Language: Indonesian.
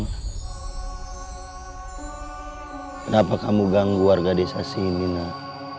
kenapa kamu ganggu warga desa sini nak